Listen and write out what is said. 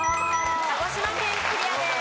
鹿児島県クリアです。